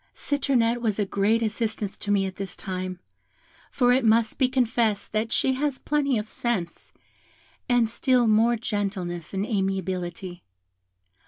Citronette was a great assistance to me at this time; for it must be confessed that she has plenty of sense, and still more gentleness and amiability.